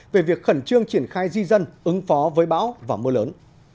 về việc khẩn trương triển khai di dân ứng phó với bão và mưa lớn